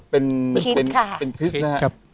เป็นคริสต์นะครับ